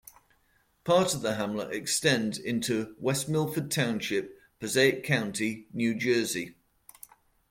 Part of the hamlet extends into West Milford Township, Passaic County, New Jersey.